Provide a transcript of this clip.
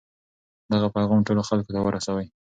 دغه پیغام ټولو خلکو ته ورسوئ.